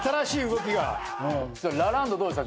ラランドどうでした？